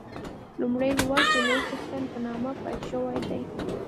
لومړی لوست د لوی څښتن په نامه پیل شوی دی.